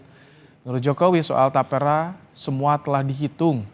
menurut jokowi soal tapera semua telah dihitung